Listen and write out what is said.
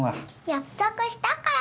約束したから。